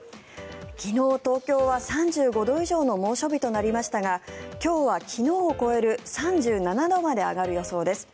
昨日、東京は３５度以上の猛暑日となりましたが今日は昨日を超える３７度まで上がる予想です。